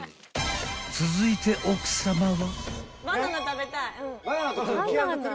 ［続いて奥さまは？］